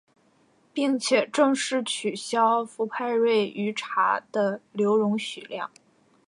并且正式取消氟派瑞于茶的留容许量。